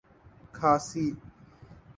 کھاسی